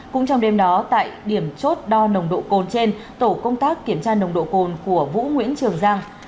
cũng trong đêm đó tại điểm chốt đo nồng độ cồn trên tổ công tác kiểm tra nồng độ cồn của vũ nguyễn trường giang